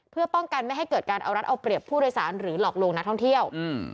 เพื่อป้องกันไม่ให้เกิดการเอารัฐเอาเปรียบผู้โดยสารหรือหลอกลวงนักท่องเที่ยว